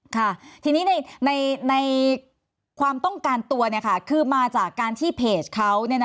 ค่ะทีนี้ในความต้องการตัวคือมาจากการที่เพจเขา